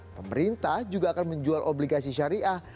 pemerintah juga akan menjual obligasi syariah